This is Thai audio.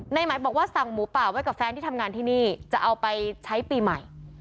ไหนไหมบอกว่าสั่งหมูป่าไว้กับแฟนที่ทำงานที่นี่จะเอาไปใช้ปีใหม่